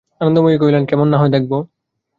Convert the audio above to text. আনন্দময়ী কহিলেন, কেমন না হয় দেখব।